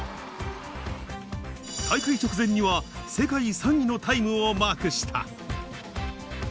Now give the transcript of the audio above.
大会直前には世界３位のタイムをマークした。